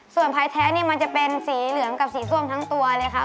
ส่วนภายแท้นี่มันจะเป็นสีเหลืองกับสีส้มทั้งตัวเลยค่ะ